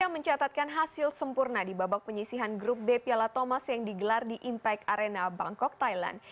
mencatatkan hasil sempurna di babak penyisihan grup b piala thomas yang digelar di impact arena bangkok thailand